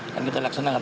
dan kita laksanakan